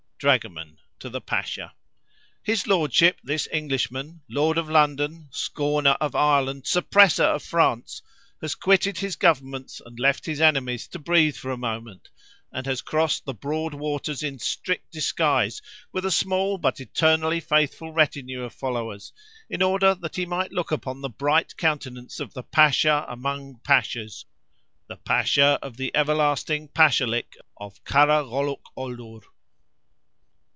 Dragoman (to the Pasha).—His lordship, this Englishman, Lord of London, Scorner of Ireland, Suppressor of France, has quitted his governments, and left his enemies to breathe for a moment, and has crossed the broad waters in strict disguise, with a small but eternally faithful retinue of followers, in order that he might look upon the bright countenance of the Pasha among Pashas—the Pasha of the everlasting Pashalik of Karagholookoldour.